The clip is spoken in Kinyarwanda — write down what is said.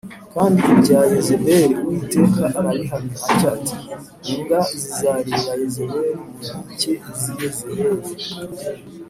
Kandi ibya Yezebeli Uwiteka arabihamya atya ati ‘Imbwa zizarira Yezebeli ku nkike z’i Yezerēli’